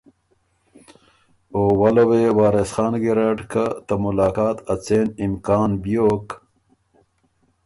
او ولّه وې وارث خان ګیرډ که ته ملاقات اڅېن امکان بیوک